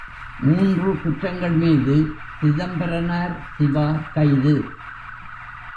மூன்று குற்றங்கள் மீது சிதம்பரனார், சிவா கைது!